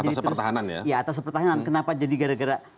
atas pertahanan ya ya atas pertahanan kenapa jadi gara gara